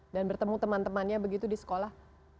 dan bertemu teman temannya begitu di sekolah